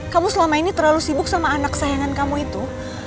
kamu selama ini terlalu sibuk sama anak kesayangan kamu itu